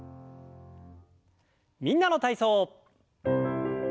「みんなの体操」。